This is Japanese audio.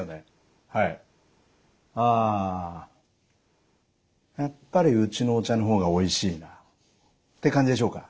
「あやっぱりうちのお茶の方がおいしいな」って感じでしょうか？